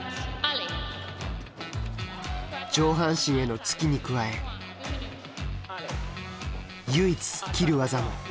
上半身への突きに加え唯一斬る技も。